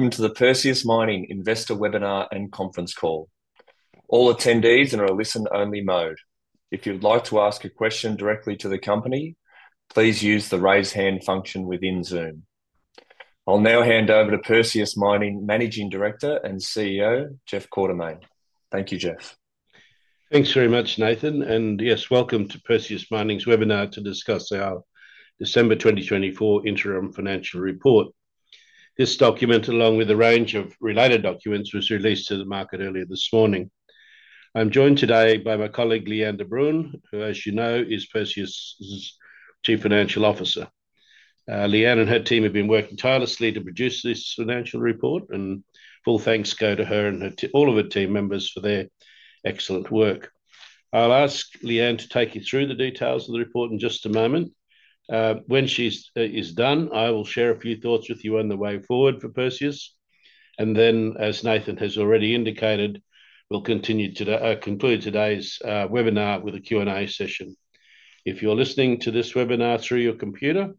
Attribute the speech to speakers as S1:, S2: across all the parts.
S1: Welcome to the Perseus Mining Investor Webinar and Conference Call. All attendees are in a listen-only mode. If you'd like to ask a question directly to the company, please use the raise hand function within Zoom. I'll now hand over to Perseus Mining Managing Director and CEO, Jeff Quartermaine. Thank you, Jeff.
S2: Thanks very much, Nathan. And yes, welcome to Perseus Mining's webinar to discuss our December 2024 Interim Financial Report. This document, along with a range of related documents, was released to the market earlier this morning. I'm joined today by my colleague, Lee-Anne de Bruin, who, as you know, is Perseus' Chief Financial Officer. Lee-Anne and her team have been working tirelessly to produce this financial report, and full thanks go to her and all of her team members for their excellent work. I'll ask Lee-Anne to take you through the details of the report in just a moment. When she's done, I will share a few thoughts with you on the way forward for Perseus. And then, as Nathan has already indicated, we'll continue to conclude today's webinar with a Q&A session. If you're listening to this webinar through your computer,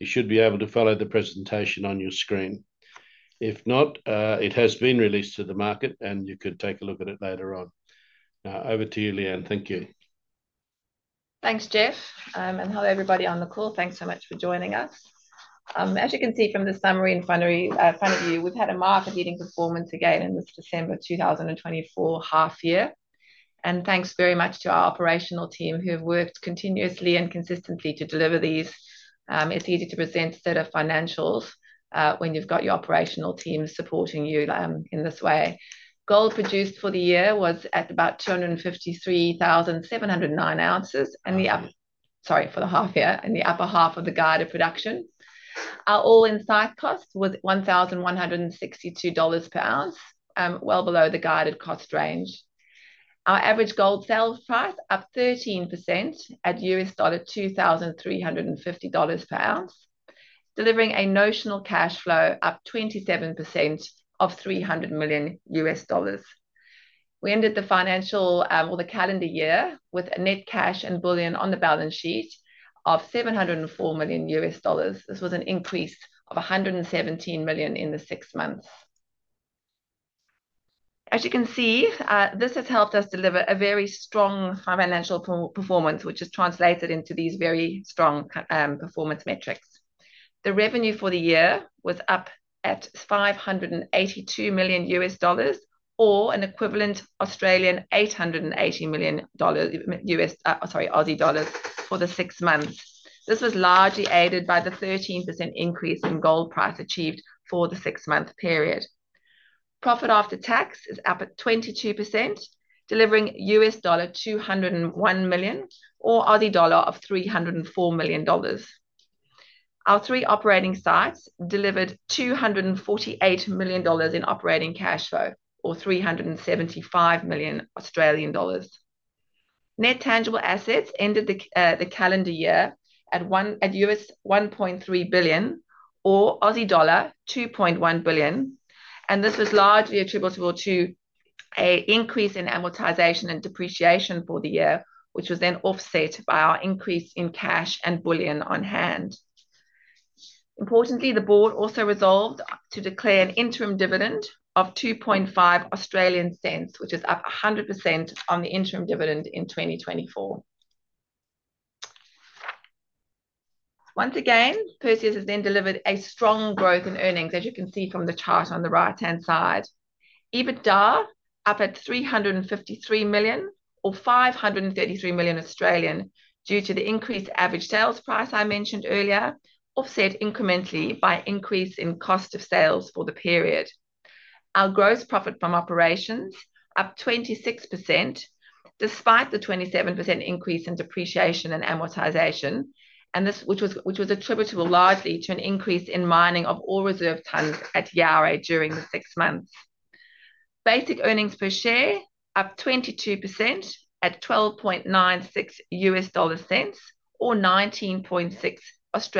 S2: you should be able to follow the presentation on your screen. If not, it has been released to the market, and you could take a look at it later on. Now, over to you, Lee-Anne. Thank you.
S3: Thanks, Jeff. And hello, everybody on the call. Thanks so much for joining us. As you can see from the summary and fund review, we've had a market-leading performance again in this December 2024 half-year. Thanks very much to our operational team, who have worked continuously and consistently to deliver these easy-to-present set of financials when you've got your operational team supporting you in this way. Gold produced for the half year was at about 253,709 ounces in the upper half of the guided production. Our all-In Site cost was $1,162 per ounce, well below the guided cost range. Our average gold sales price was up 13% at $2,350 per ounce, delivering a notional cash flow of up 27% of $300 million. We ended the financial or the calendar year with a net cash and bullion on the balance sheet of $704 million. This was an increase of $117 million in the six months. As you can see, this has helped us deliver a very strong financial performance, which is translated into these very strong performance metrics. The revenue for the year was up at $582 million, or an equivalent 880 million Australian dollars - sorry, Aussie dollars - for the six months. This was largely aided by the 13% increase in gold price achieved for the six-month period. Profit after tax is up at 22%, delivering $201 million, or Aussie dollar of 304 million dollars. Our three operating sites delivered $248 million in operating cash flow, or 375 million Australian dollars. Net tangible assets ended the calendar year at $1.3 billion, or Aussie dollar 2.1 billion. This was largely attributable to an increase in amortization and depreciation for the year, which was then offset by our increase in cash and bullion on hand. Importantly, the board also resolved to declare an interim dividend of 0.025, which is up 100% on the interim dividend in 2024. Once again, Perseus has then delivered a strong growth in earnings, as you can see from the chart on the right-hand side. EBITDA is up at 353 million, or 533 million Australian due to the increased average sales price I mentioned earlier, offset incrementally by an increase in cost of sales for the period. Our gross profit from operations is up 26%, despite the 27% increase in depreciation and amortization, which was attributable largely to an increase in mining of ore reserve tons at Yaouré during the six months. Basic earnings per share is up 22% at AUD 12.96, or 19.6. And the earnings per ounce, importantly, a key focus for us, is up 25% at $819, or AUD 1,239 per ounce. So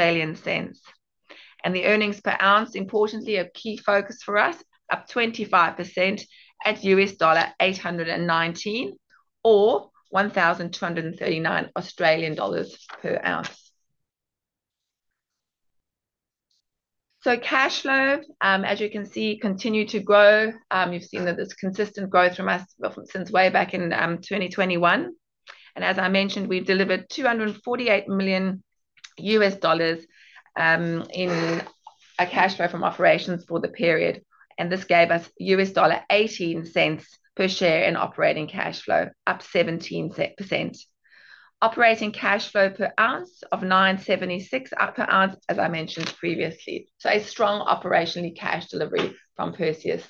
S3: cash flow, as you can see, continues to grow. You've seen that there's consistent growth from us since way back in 2021. And as I mentioned, we've delivered AUD 248 million in cash flow from operations for the period. And this gave us $0.18 per share in operating cash flow, up 17%. Operating cash flow per ounce is 976 per ounce, as I mentioned previously. So a strong operational cash delivery from Perseus.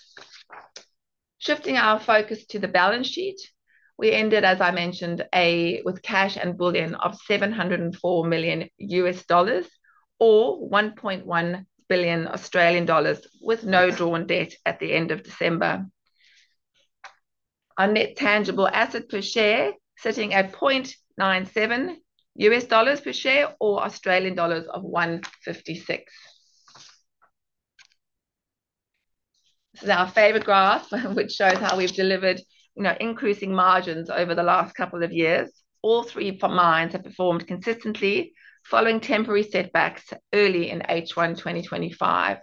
S3: Shifting our focus to the balance sheet, we ended, as I mentioned, with cash and bullion of AUD 704 million, or 1.1 billion Australian dollars, with no drawn debt at the end of December. Our net tangible asset per share is sitting at AUD 0.97 per share, or AUD 1.56. This is our favorite graph, which shows how we've delivered increasing margins over the last couple of years. All three mines have performed consistently, following temporary setbacks early in H1 2025.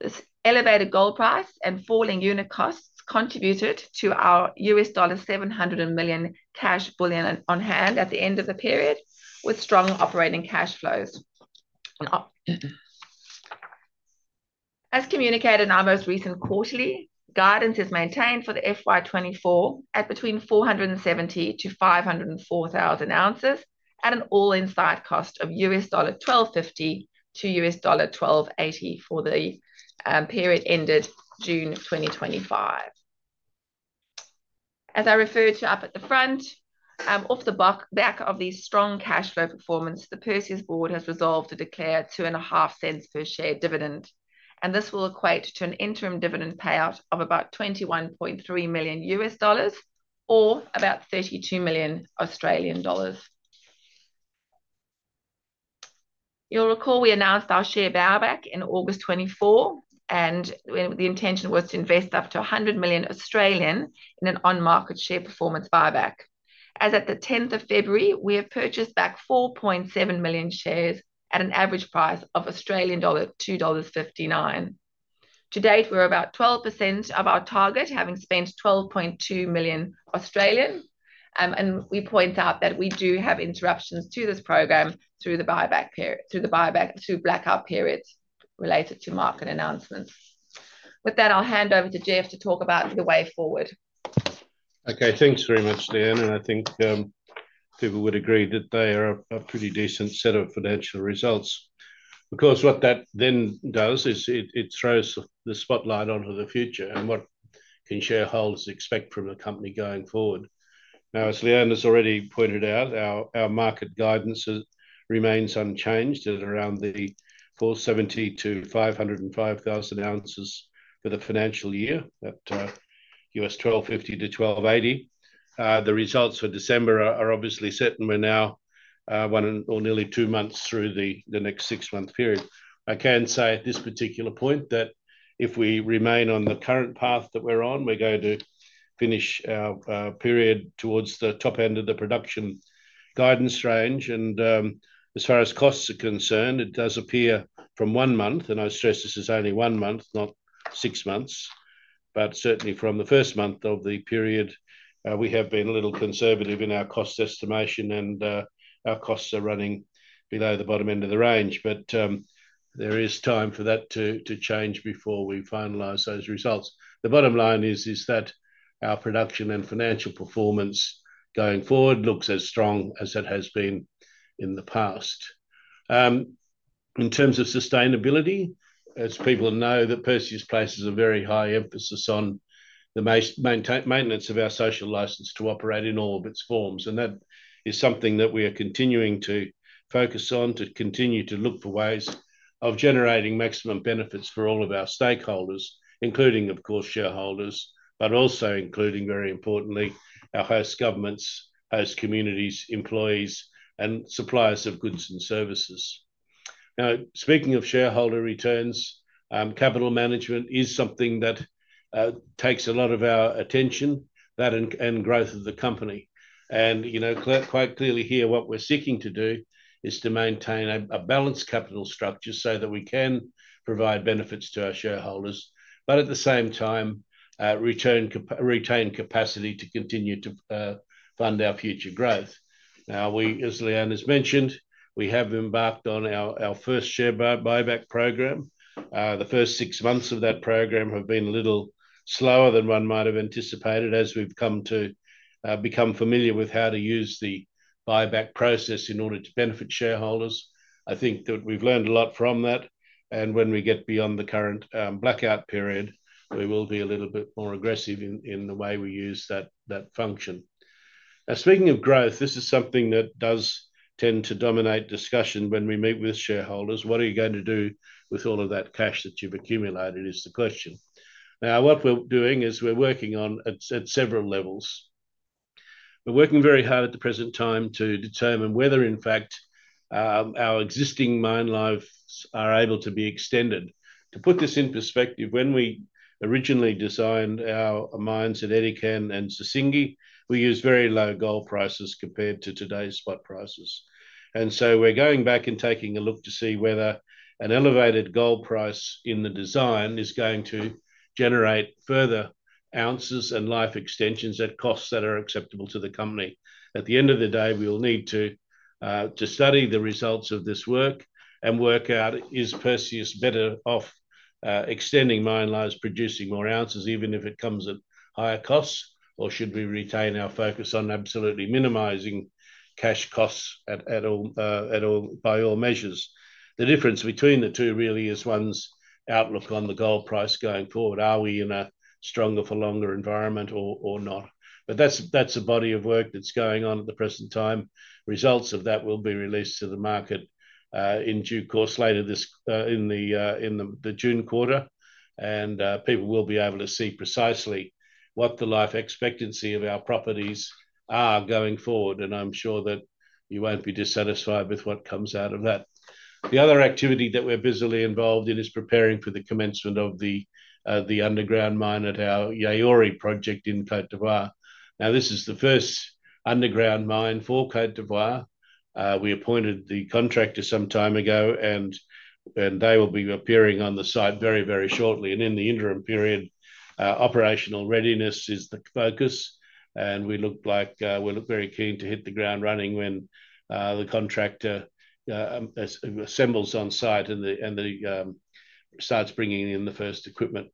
S3: This elevated gold price and falling unit costs contributed to our $700 million cash and bullion on hand at the end of the period, with strong operating cash flows. As communicated in our most recent quarterly, guidance is maintained for the FY 2024 at between 470,000-504,000 ounces at an All-In Site Cost of $1,250-$1,280 for the period ended June 2025. As I referred to up at the front, off the back of the strong cash flow performance, the Perseus board has resolved to declare 0.025 per share dividend. This will equate to an interim dividend payout of about AUD 21.3 million, or about 32 million Australian dollars. You'll recall we announced our share buyback in August 2024, and the intention was to invest up to 100 million in an on-market share performance buyback. As of the 10th of February, we have purchased back 4.7 million shares at an average price of Australian dollar 2.59. To date, we're about 12% of our target, having spent 12.2 million. We point out that we do have interruptions to this program through the buyback period, through blackout periods related to market announcements. With that, I'll hand over to Jeff to talk about the way forward.
S2: Okay, thanks very much, Lee-Anne. I think people would agree that they are a pretty decent set of financial results. Of course, what that then does is it throws the spotlight onto the future and what can shareholders expect from the company going forward. Now, as Lee-Anne has already pointed out, our market guidance remains unchanged. It's around 470,000-505,000 for the financial year, that's $1,250-$1,280. The results for December are obviously certain. We're now one or nearly two months through the next six-month period. I can say at this particular point that if we remain on the current path that we're on, we're going to finish our period towards the top end of the production guidance range. As far as costs are concerned, it does appear from one month, and I stress this is only one month, not six months, but certainly from the first month of the period, we have been a little conservative in our cost estimation, and our costs are running below the bottom end of the range. There is time for that to change before we finalize those results. The bottom line is that our production and financial performance going forward looks as strong as it has been in the past. In terms of sustainability, as people know, that Perseus places a very high emphasis on the maintenance of our social license to operate in all of its forms. That is something that we are continuing to focus on, to continue to look for ways of generating maximum benefits for all of our stakeholders, including, of course, shareholders, but also including, very importantly, our host governments, host communities, employees, and suppliers of goods and services. Now, speaking of shareholder returns, capital management is something that takes a lot of our attention, that and growth of the company. And quite clearly here, what we're seeking to do is to maintain a balanced capital structure so that we can provide benefits to our shareholders, but at the same time, retain capacity to continue to fund our future growth. Now, as Lee-Anne has mentioned, we have embarked on our first share buyback program. The first six months of that program have been a little slower than one might have anticipated as we've come to become familiar with how to use the buyback process in order to benefit shareholders. I think that we've learned a lot from that. And when we get beyond the current blackout period, we will be a little bit more aggressive in the way we use that function. Now, speaking of growth, this is something that does tend to dominate discussion when we meet with shareholders. What are you going to do with all of that cash that you've accumulated is the question. Now, what we're doing is we're working on at several levels. We're working very hard at the present time to determine whether, in fact, our existing mine lives are able to be extended. To put this in perspective, when we originally designed our mines at Edikan and Sissingué, we used very low gold prices compared to today's spot prices. And so we're going back and taking a look to see whether an elevated gold price in the design is going to generate further ounces and life extensions at costs that are acceptable to the company. At the end of the day, we will need to study the results of this work and work out, is Perseus better off extending mine lives, producing more ounces, even if it comes at higher costs, or should we retain our focus on absolutely minimizing cash costs by all measures. The difference between the two really is one's outlook on the gold price going forward. Are we in a stronger for longer environment or not? But that's a body of work that's going on at the present time. Results of that will be released to the market in due course later in the June quarter. And people will be able to see precisely what the life expectancy of our properties are going forward. And I'm sure that you won't be dissatisfied with what comes out of that. The other activity that we're busily involved in is preparing for the commencement of the underground mine at our Yaouré project in Côte d'Ivoire. Now, this is the first underground mine for Côte d'Ivoire. We appointed the contractor some time ago, and they will be appearing on the site very, very shortly. And in the interim period, operational readiness is the focus. And we look like we're very keen to hit the ground running when the contractor assembles on site and starts bringing in the first equipment.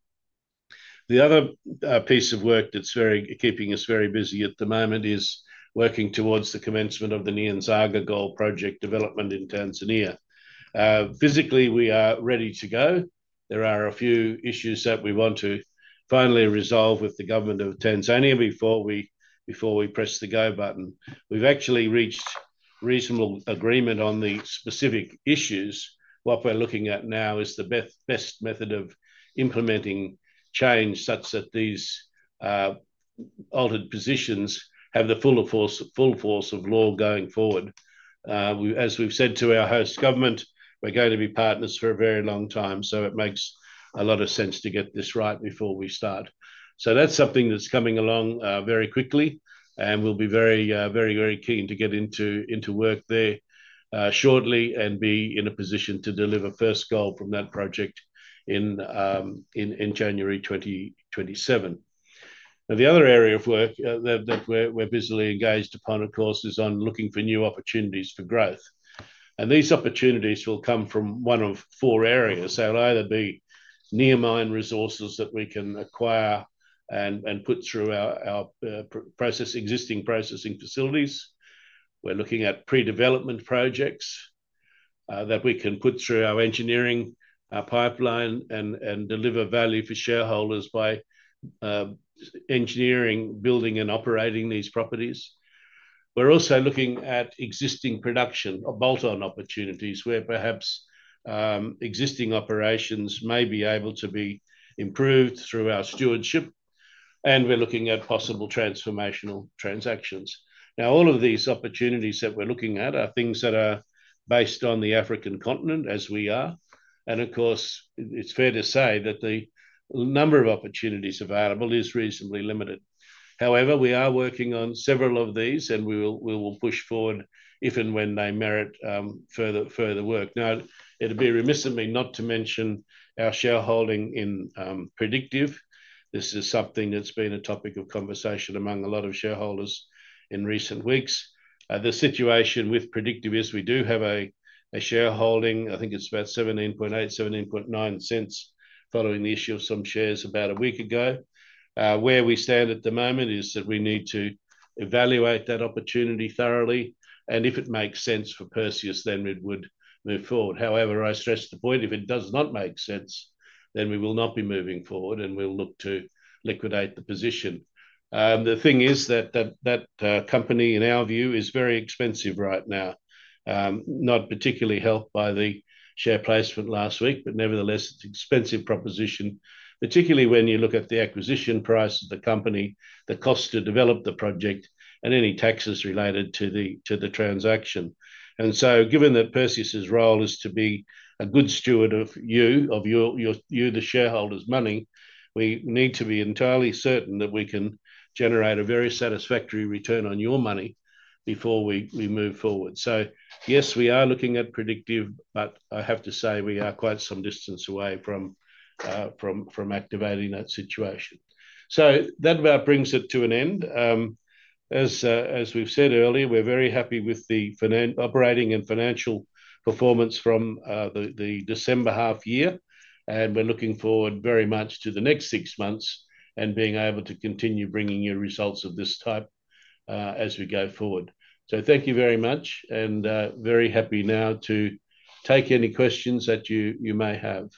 S2: The other piece of work that's keeping us very busy at the moment is working towards the commencement of the Nyanzaga Gold Project development in Tanzania. Physically, we are ready to go. There are a few issues that we want to finally resolve with the government of Tanzania before we press the go button. We've actually reached reasonable agreement on the specific issues. What we're looking at now is the best method of implementing change such that these altered positions have the full force of law going forward. As we've said to our host government, we're going to be partners for a very long time, so it makes a lot of sense to get this right before we start, so that's something that's coming along very quickly. We'll be very, very, very keen to get into work there shortly and be in a position to deliver first gold from that project in January 2027. Now, the other area of work that we're busily engaged upon, of course, is on looking for new opportunities for growth. These opportunities will come from one of four areas. They'll either be near mine resources that we can acquire and put through our existing processing facilities. We're looking at pre-development projects that we can put through our engineering pipeline and deliver value for shareholders by engineering, building, and operating these properties. We're also looking at existing production or bolt-on opportunities where perhaps existing operations may be able to be improved through our stewardship. We're looking at possible transformational transactions. Now, all of these opportunities that we're looking at are things that are based on the African continent, as we are, and of course, it's fair to say that the number of opportunities available is reasonably limited. However, we are working on several of these, and we will push forward if and when they merit further work. Now, it'd be remiss of me not to mention our shareholding in Predictive. This is something that's been a topic of conversation among a lot of shareholders in recent weeks. The situation with Predictive is we do have a shareholding, I think it's about 0.178-0.179 following the issue of some shares about a week ago. Where we stand at the moment is that we need to evaluate that opportunity thoroughly, and if it makes sense for Perseus, then we would move forward. However, I stress the point, if it does not make sense, then we will not be moving forward, and we'll look to liquidate the position. The thing is that that company, in our view, is very expensive right now, not particularly helped by the share placement last week, but nevertheless, it's an expensive proposition, particularly when you look at the acquisition price of the company, the cost to develop the project, and any taxes related to the transaction. And so given that Perseus's role is to be a good steward of you, of you, the shareholders' money, we need to be entirely certain that we can generate a very satisfactory return on your money before we move forward. So yes, we are looking at Predictive, but I have to say we are quite some distance away from activating that situation. So that about brings it to an end. As we've said earlier, we're very happy with the operating and financial performance from the December half year. And we're looking forward very much to the next six months and being able to continue bringing you results of this type as we go forward. So thank you very much, and very happy now to take any questions that you may have.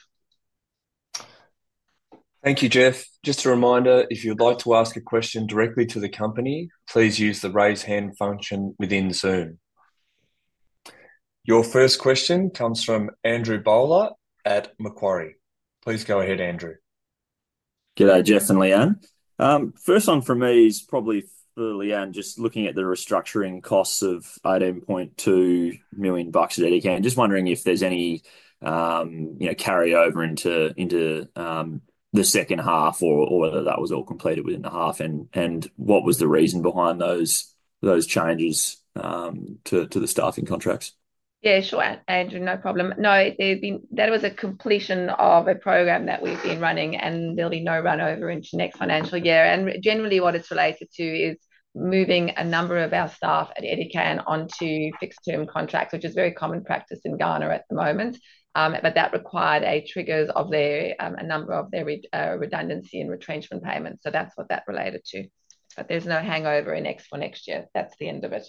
S1: Thank you, Jeff. Just a reminder, if you'd like to ask a question directly to the company, please use the raise hand function within Zoom. Your first question comes from Andrew Bowler at Macquarie. Please go ahead, Andrew.
S4: Jeff and Lee-Anne. First one for me is probably for Lee-Anne, just looking at the restructuring costs of 18.2 million bucks at Edikan. Just wondering if there's any carryover into the second half or whether that was all completed within the half, and what was the reason behind those changes to the staffing contracts?
S3: Yeah, sure, Andrew. No problem. No, that was a completion of a program that we've been running, and there'll be no runover into next financial year, and generally, what it's related to is moving a number of our staff at Edikan onto fixed-term contracts, which is very common practice in Ghana at the moment, but that required a trigger of a number of their redundancy and retrenchment payments, so that's what that related to, but there's no hangover in next for next year. That's the end of it.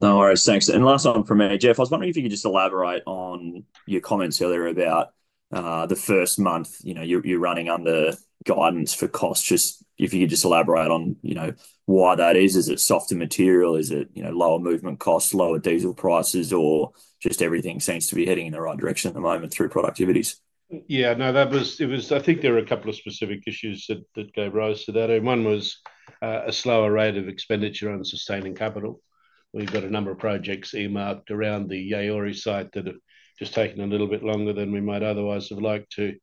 S4: No worries. Thanks. And last one from me, Jeff. I was wondering if you could just elaborate on your comments earlier about the first month you're running under guidance for costs. Just if you could just elaborate on why that is. Is it significant and material? Is it lower movement costs, lower diesel prices, or just everything seems to be heading in the right direction at the moment through productivities?
S2: Yeah, no, that was, I think there were a couple of specific issues that gave rise to that, and one was a slower rate of expenditure on sustaining capital. We've got a number of projects earmarked around the Yaouré site that have just taken a little bit longer than we might otherwise have liked to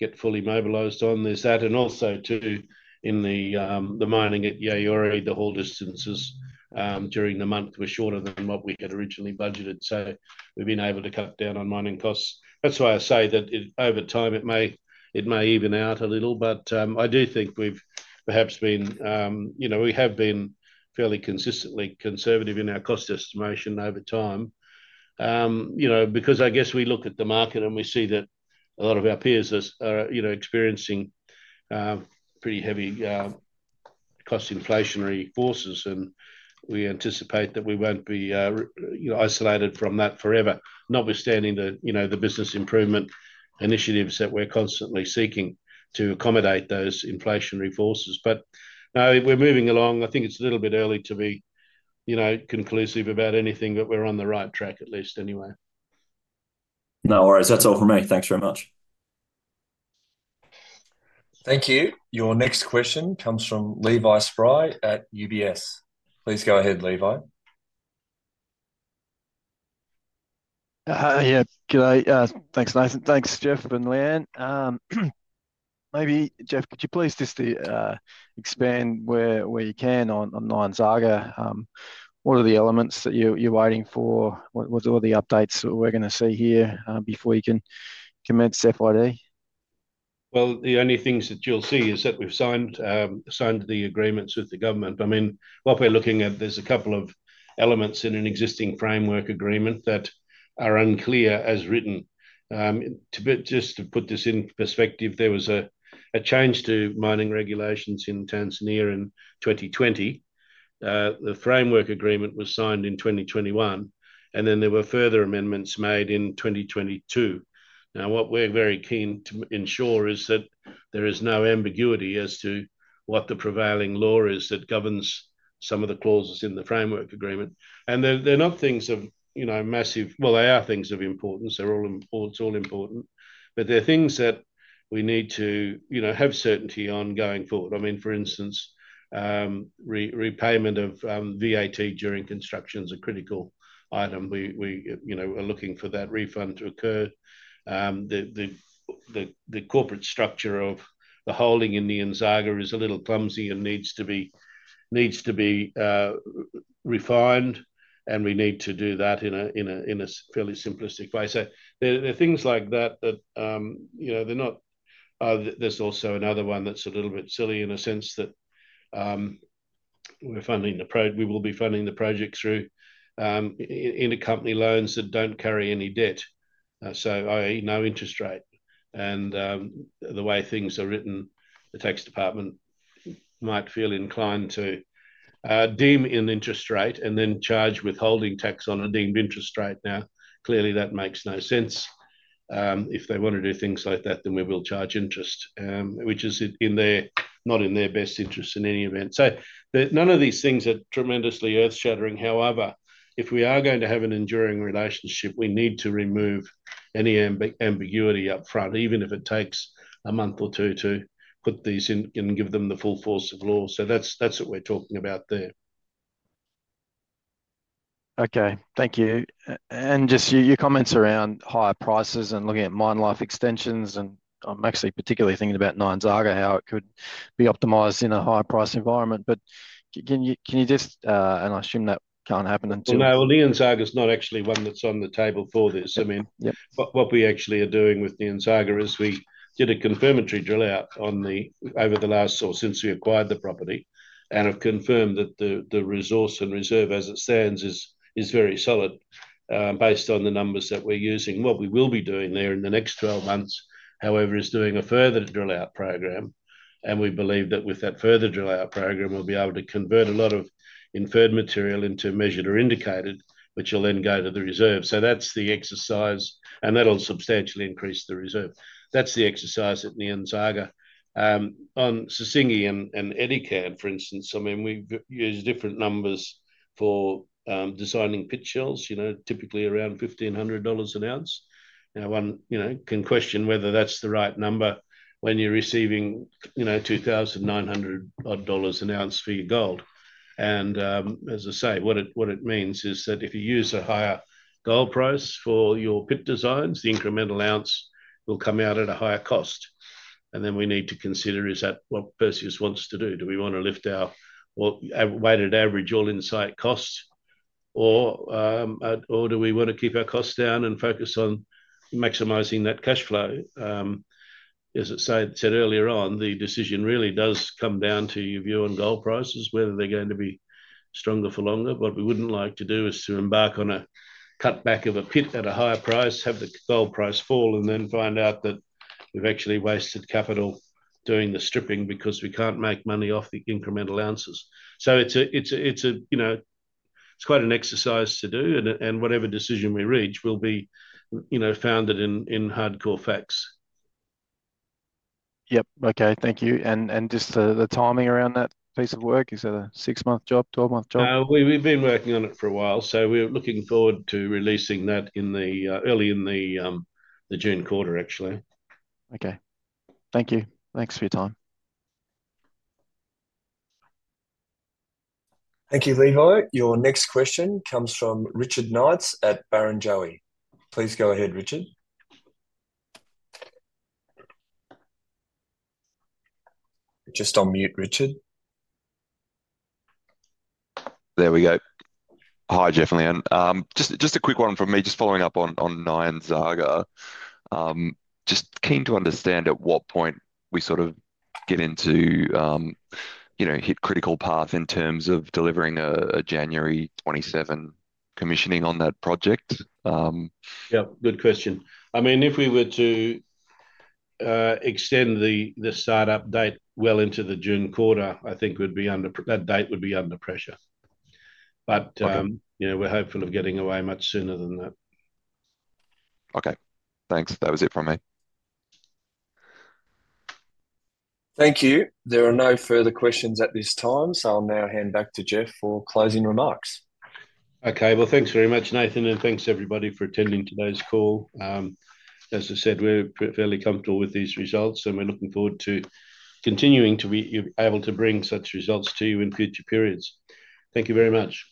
S2: get fully mobilized on. There's that, and also too, in the mining at Yaouré, the haul distances during the month were shorter than what we had originally budgeted, so we've been able to cut down on mining costs. That's why I say that over time, it may even out a little, but I do think we've perhaps been, we have been fairly consistently conservative in our cost estimation over time. Because I guess we look at the market and we see that a lot of our peers are experiencing pretty heavy cost inflationary forces. We anticipate that we won't be isolated from that forever. Notwithstanding the business improvement initiatives that we're constantly seeking to accommodate those inflationary forces. We're moving along. I think it's a little bit early to be conclusive about anything, but we're on the right track, at least anyway.
S4: No worries. That's all from me. Thanks very much.
S1: Thank you. Your next question comes from Levi Spry at UBS. Please go ahead, Levi.
S5: Yeah, Thanks, Nathan. Thanks, Jeff and Lee-Anne. Maybe, Jeff, could you please just expand where you can on Nyanzaga? What are the elements that you're waiting for? What are the updates that we're going to see here before you can commence FID?
S2: The only things that you'll see is that we've signed the agreements with the government. I mean, what we're looking at, there's a couple of elements in an existing framework agreement that are unclear as written. Just to put this in perspective, there was a change to mining regulations in Tanzania in 2020. The framework agreement was signed in 2021, and then there were further amendments made in 2022. Now, what we're very keen to ensure is that there is no ambiguity as to what the prevailing law is that governs some of the clauses in the framework agreement. And they're not things of massive, well, they are things of importance. They're all important. But they're things that we need to have certainty on going forward. I mean, for instance, repayment of VAT during construction is a critical item. We are looking for that refund to occur. The corporate structure of the holding in Nyanzaga is a little clumsy and needs to be refined, and we need to do that in a fairly simplistic way. So there are things like that. There's also another one that's a little bit silly in a sense that we will be funding the project through intercompany loans that don't carry any debt, i.e., no interest rate, and the way things are written, the tax department might feel inclined to deem an interest rate and then charge withholding tax on a deemed interest rate. Now, clearly, that makes no sense. If they want to do things like that, then we will charge interest, which is not in their best interest in any event. So none of these things are tremendously earth-shattering. However, if we are going to have an enduring relationship, we need to remove any ambiguity upfront, even if it takes a month or two to put these in and give them the full force of law, so that's what we're talking about there.
S5: Okay. Thank you. And just your comments around higher prices and looking at mine life extensions. And I'm actually particularly thinking about Nyanzaga, how it could be optimized in a higher price environment. But can you just and I assume that can't happen until...
S2: Nyanzaga is not actually one that's on the table for this. I mean, what we actually are doing with Nyanzaga is we did a confirmatory drill out since we acquired the property and have confirmed that the resource and reserve as it stands is very solid based on the numbers that we're using. What we will be doing there in the next 12 months, however, is doing a further drill out program. We believe that with that further drill out program, we'll be able to convert a lot of inferred material into measured or indicated, which will then go to the reserve. That's the exercise. That'll substantially increase the reserve. That's the exercise at Nyanzaga. On Sissingué and Edikan, for instance, I mean, we've used different numbers for designing pit shells, typically around $1,500 an ounce. Now, one can question whether that's the right number when you're receiving $2,900 an ounce for your gold. As I say, what it means is that if you use a higher gold price for your pit designs, the incremental ounce will come out at a higher cost. Then we need to consider is that what Perseus wants to do. Do we want to lift our weighted average all-in site cost? Or do we want to keep our costs down and focus on maximizing that cash flow? As I said earlier on, the decision really does come down to your view on gold prices, whether they're going to be stronger for longer. What we wouldn't like to do is to embark on a cutback of a pit at a higher price, have the gold price fall, and then find out that we've actually wasted capital doing the stripping because we can't make money off the incremental ounces. So it's quite an exercise to do. And whatever decision we reach will be founded in hardcore facts.
S5: Yep. Okay. Thank you, and just the timing around that piece of work, is it a six-month job, twelve-month job?
S2: We've been working on it for a while, so we're looking forward to releasing that early in the June quarter, actually.
S5: Okay. Thank you. Thanks for your time.
S1: Thank you, Levi. Your next question comes from Richard Knights at Barrenjoey. Please go ahead, Richard. Just unmute, Richard.
S6: There we go. Hi, Jeff and Lee-Anne. Just a quick one from me, just following up on Nyanzaga. Just keen to understand at what point we sort of get into hit critical path in terms of delivering a January 27 commissioning on that project.
S2: Yep. Good question. I mean, if we were to extend the startup date well into the June quarter, I think that date would be under pressure. But we're hopeful of getting away much sooner than that.
S6: Okay. Thanks. That was it from me.
S1: Thank you. There are no further questions at this time. So I'll now hand back to Jeff for closing remarks.
S2: Okay. Well, thanks very much, Nathan, and thanks, everybody, for attending today's call. As I said, we're fairly comfortable with these results, and we're looking forward to continuing to be able to bring such results to you in future periods. Thank you very much.